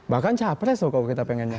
bahkan capres loh kok kita pengennya